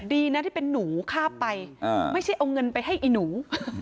ดีนะที่เป็นหนูคาบไปไม่ใช่เอาเงินไปให้ไอ้หนู